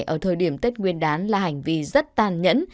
ở thời điểm tết nguyên đán là hành vi rất tàn nhẫn